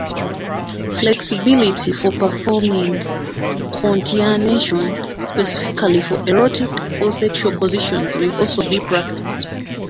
Flexibility for performing contortion specifically for erotic or sexual positions may also be practised.